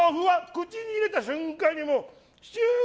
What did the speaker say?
口に入れた瞬間にシュー！